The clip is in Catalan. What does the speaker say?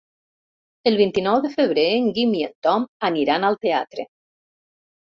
El vint-i-nou de febrer en Guim i en Tom aniran al teatre.